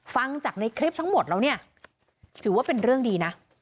ฟังจากในคลิปทั้งหมดแล้วเนี่ยถือว่าเป็นเรื่องดีนะ